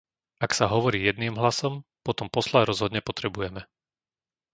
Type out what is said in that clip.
Ak sa hovorí jedným hlasom, potom posla rozhodne potrebujeme.